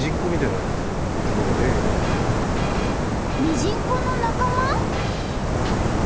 ミジンコの仲間？